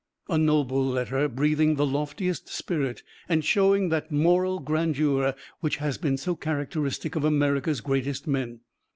A noble letter, breathing the loftiest spirit, and showing that moral grandeur which has been so characteristic of America's greatest men.